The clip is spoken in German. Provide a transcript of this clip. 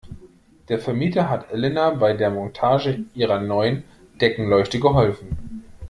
Der Vermieter hat Elena bei der Montage ihrer neuen Deckenleuchte geholfen.